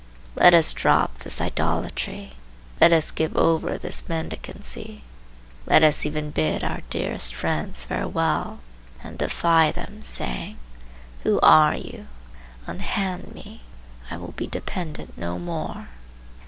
Let us drop this idolatry. Let us give over this mendicancy. Let us even bid our dearest friends farewell, and defy them, saying, 'Who are you? Unhand me: I will be dependent no more.